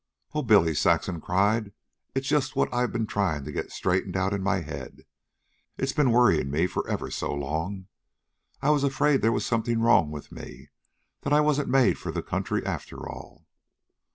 "Oh, Billy!" Saxon cried. "It's just what I've been trying to get straightened out in my head. It's been worrying me for ever so long. I was afraid there was something wrong with me that I wasn't made for the country after all.